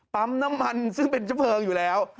ปั๊มน้ำมันซึ่งเป็นเชื้อเพลิงอยู่แล้ว